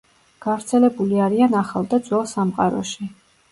გავრცელებული არიან ახალ და ძველ სამყაროში.